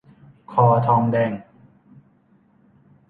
คอทองแดง